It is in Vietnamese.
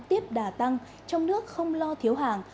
tiếp đà tăng trong nước không lo thiếu hàng